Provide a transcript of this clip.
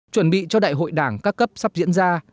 chuẩn bị cho đại hội đảng các cấp sắp diễn ra